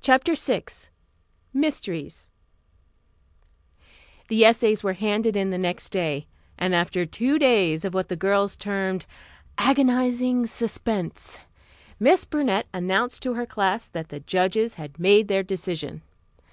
CHAPTER VI MYSTERIES The essays were handed in the next day, and after two days of what the girls termed "agonizing suspense," Miss Burnett announced to her class that the judges had made their decision.